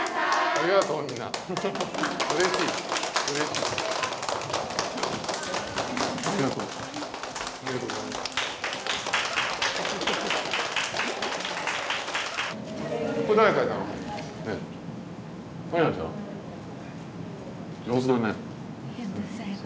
ありがとうございます。